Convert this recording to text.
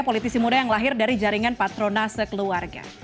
politisi muda yang lahir dari jaringan patronase keluarga